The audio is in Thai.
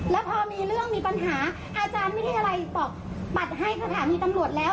แล้วพอมีเรื่องมีปัญหาอาจารย์ไม่ได้อะไรบอกปัดให้สถานีตำรวจแล้ว